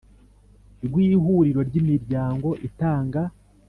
rw Ihuriro ry Imiryango itanga